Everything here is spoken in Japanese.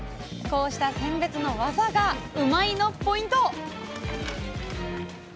こうした選別の技がうまいッ！のポイント！